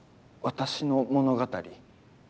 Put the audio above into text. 私の物語？